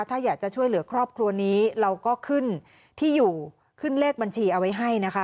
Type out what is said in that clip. ถ้าอยากจะช่วยเหลือครอบครัวนี้เราก็ขึ้นที่อยู่ขึ้นเลขบัญชีเอาไว้ให้นะคะ